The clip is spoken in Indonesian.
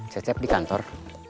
cecep di kantor